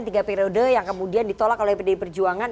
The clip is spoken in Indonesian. tiga periode yang kemudian ditolak oleh pdi perjuangan